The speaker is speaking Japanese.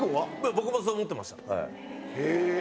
僕もそう思ってました。